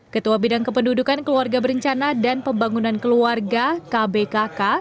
ketua bidang kependudukan keluarga berencana dan pembangunan keluarga kbkk